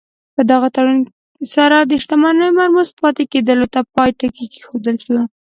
په دغه تړون سره د شتمنیو مرموز پاتې کېدلو ته پای ټکی کېښودل شو.